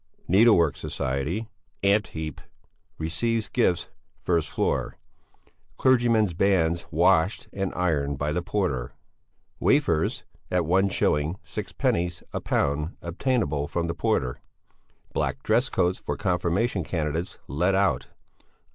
Needlework society 'Ant Heap' receives gifts, first floor. Clergymen's bands washed and ironed by the porter. Wafers at 1_s._ 6_d._ a pound obtainable from the porter. Black dress coats for confirmation candidates let out.